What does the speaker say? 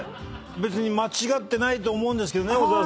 別に間違ってないと思うんですけどね。